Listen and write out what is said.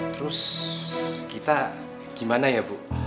terus kita gimana ya bu